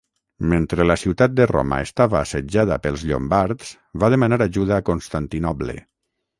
Mentre la ciutat de Roma estava assetjada pels llombards va demanar ajuda a Constantinoble.